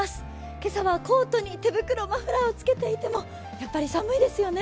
今朝はコートに手袋、マフラーをつけていても寒いですよね。